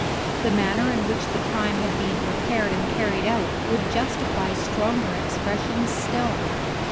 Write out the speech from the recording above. The manner in which the crime had been prepared and carried out would justify stronger expressions still.